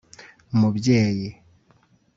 Mubyeyi